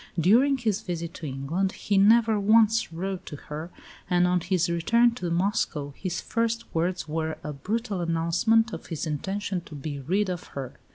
During his visit to England he never once wrote to her, and on his return to Moscow his first words were a brutal announcement of his intention to be rid of her.